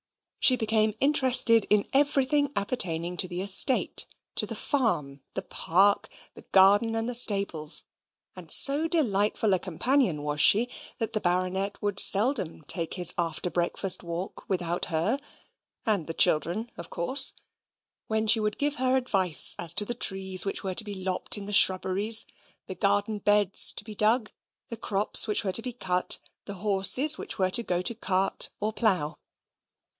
She became interested in everything appertaining to the estate, to the farm, the park, the garden, and the stables; and so delightful a companion was she, that the Baronet would seldom take his after breakfast walk without her (and the children of course), when she would give her advice as to the trees which were to be lopped in the shrubberies, the garden beds to be dug, the crops which were to be cut, the horses which were to go to cart or plough.